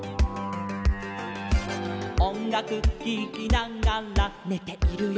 「おんがくききながらねているよ」